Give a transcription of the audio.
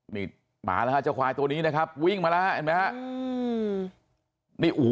นี่หมาแล้วฮะเจ้าควายตัวนี้นะครับวิ่งมาแล้วเห็นไหมฮะ